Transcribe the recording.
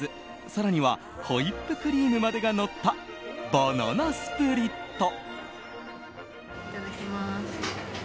更にはホイップクリームまでがのったバナナスプリット。